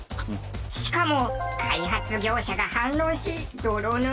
しかも開発業者が反論し泥沼化。